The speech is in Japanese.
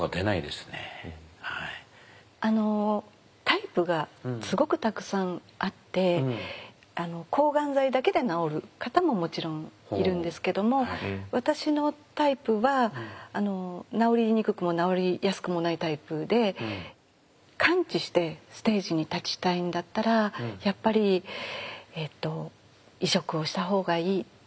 タイプがすごくたくさんあって抗がん剤だけで治る方ももちろんいるんですけども私のタイプは治りにくくも治りやすくもないタイプで完治してステージに立ちたいんだったらやっぱり移植をした方がいい。